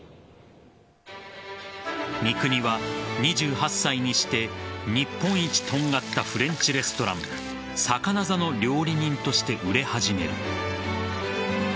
三國は、２８歳にして日本一とんがったフレンチレストランサカナザの料理人として売れ始める。